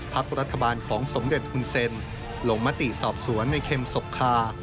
ภักดิ์รัฐบาลของสมเด็จคุณเซนลงมติสอบสวนในเข็มศพคา